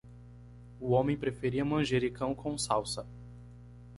O homem preferia manjericão com salsa.